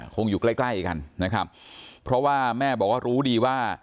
คงอยู่ใกล้ใกล้กันนะครับเพราะว่าแม่บอกว่ารู้ดีว่า